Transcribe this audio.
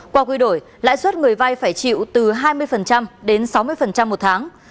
qua quy đổi lãi suất người vai phải chịu từ hai mươi đến sáu mươi một tháng